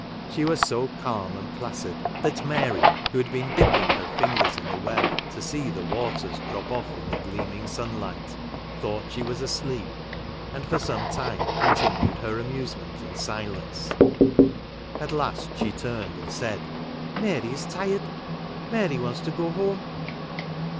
She was so calm and placid that Mary (who had been dipping tier fingers in the well, to see the waters drop off in the gleaming sun light), thought she was asleep, and for some time continued her amusement in silence. At last she turned, and said, " Mary is tired. Mary wants to go home."